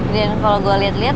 dan kalo gua liat liat ya